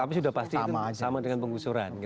tapi sudah pasti sama dengan penggusuran